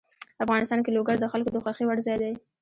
افغانستان کې لوگر د خلکو د خوښې وړ ځای دی.